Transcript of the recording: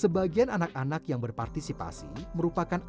sebagian anak anak yang berpartisipasi di tempat ini mereka juga mencari telur